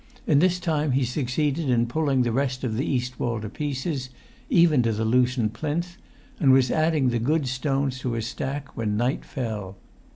In this time he succeeded in pulling the rest of the east wall to pieces, even to the loosened plinth, and was adding the good stones to his stack when night fell.